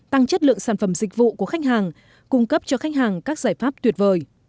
tăng chất lượng sản phẩm dịch vụ của khách hàng cung cấp cho khách hàng các giải pháp tuyệt vời